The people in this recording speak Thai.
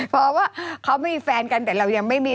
เพราะว่าเขามีแฟนกันแต่เรายังไม่มี